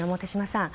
さん